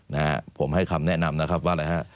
นะฮะผมให้คำแนะนำนะครับว่าอะไรฮะ